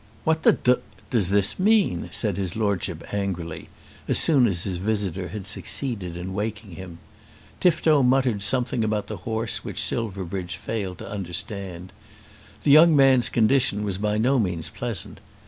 "What the d does this mean?" said his Lordship angrily, as soon as his visitor had succeeded in waking him. Tifto muttered something about the horse which Silverbridge failed to understand. The young man's condition was by no means pleasant.